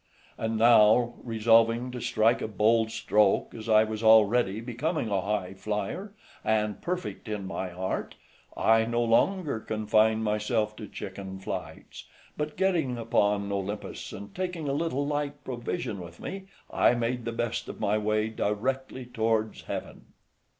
And now, resolving to strike a bold stroke, as I was already become a high flyer, and perfect in my art, I no longer confined myself to chicken flights, but getting upon Olympus, and taking a little light provision with me, I made the best of my way directly towards heaven.